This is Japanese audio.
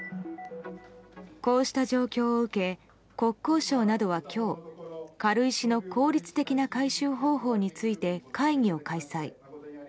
こうした状況を受け国交省などは今日軽石の効率的な回収方法について会議を開催。